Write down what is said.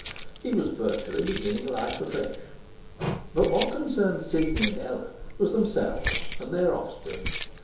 He was virtually beginning life afresh. But what concerned Sidney and Ella was themselves and their offspring.